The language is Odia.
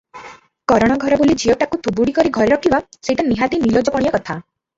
କରଣ ଘର ବୋଲି ଝିଅଟାକୁ ଥୁବୁଡ଼ୀ କରି ଘରେ ରଖିବା, ସେହିଟା ନିହାତି ନିଲଜପଣିଆ କଥା ।